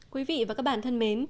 quý vị và các bạn thân mến